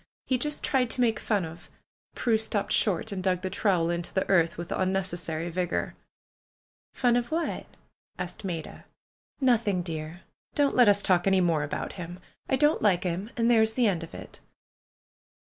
He just tried to make fun of " Prue stopped short, and dug the trowel into the earth with unnecessary vigor. "Fun of what?" asked Maida. "Nothing, dear. Don't let us talk any more about him. I don't like him, and there is the end of it."